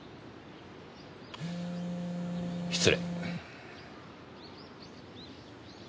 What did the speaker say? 失礼。